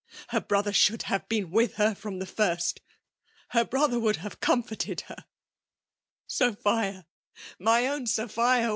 He« brother should luure been with her fr<Nn ihe» first, — her brother would halve comforlod hen Sophia — my own Sophia !